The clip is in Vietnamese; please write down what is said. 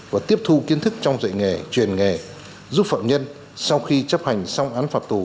và tiếp thu kiến thức trong dạy nghề truyền nghề giúp phạm nhân sau khi chấp hành xong án phạt tù